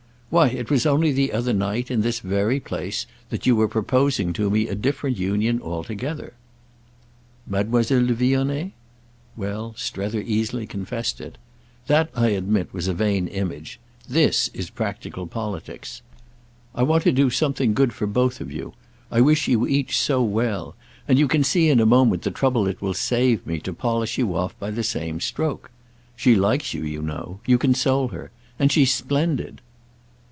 "Why it was only the other night, in this very place, that you were proposing to me a different union altogether." "Mademoiselle de Vionnet?" Well, Strether easily confessed it. "That, I admit, was a vain image. This is practical politics. I want to do something good for both of you—I wish you each so well; and you can see in a moment the trouble it will save me to polish you off by the same stroke. She likes you, you know. You console her. And she's splendid."